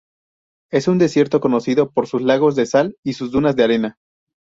Es un desierto conocido por sus lagos de sal y sus dunas de arena.